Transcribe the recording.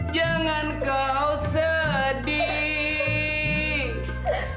jangan kau sedih